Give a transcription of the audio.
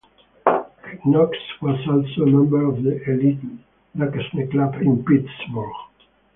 Knox was also a member of the elite Duquesne Club in Pittsburgh.